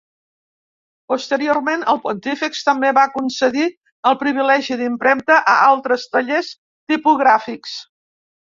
Posteriorment, el pontífex també va concedir el privilegi d'impremta a altres tallers tipogràfics.